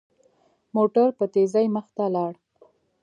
موټر په تېزۍ مخ ته لاړ.